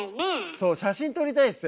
そう写真撮りたいんすよ